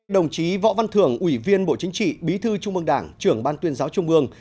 đồng chí võ văn thưởng ủy viên bộ chính trị bí thư trung mương đảng trưởng ban tuyên giáo trung ương